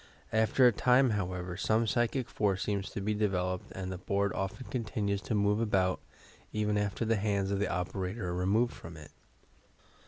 After a time, how ever, some psychic force seems to be developed and the board often continues to move about, even after the hands of the operator are removed from it.